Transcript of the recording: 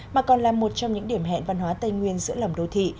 mà còn là một trong những điểm hẹn văn hóa tây nguyên giữa lòng đô thị